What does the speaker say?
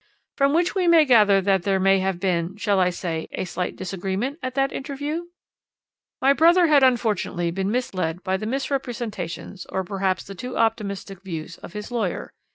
"'From which we may gather that there may have been shall I say a slight disagreement at that interview?' "'My brother had unfortunately been misled by the misrepresentations or perhaps the too optimistic views of his lawyer.